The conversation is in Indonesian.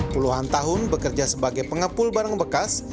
puluhan tahun bekerja sebagai pengepul barang bekas